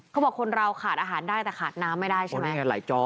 เขาบอกคนเราขาดอาหารได้แต่ขาดน้ำไม่ได้ใช่ไหม